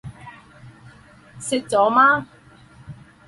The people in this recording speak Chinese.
吃了吗